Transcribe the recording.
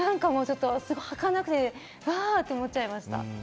儚くて、わ！って思っちゃいました。